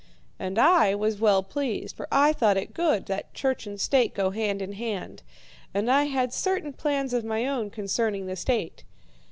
"And I was well pleased, for I thought it good that church and state go hand in hand, and I had certain plans of my own concerning the state.